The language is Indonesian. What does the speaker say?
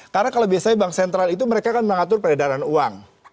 karena kalau biasanya bank sentral itu mereka kan mengatur peredaran uang